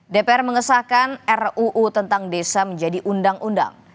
dpr mengesahkan ruu tentang desa menjadi undang undang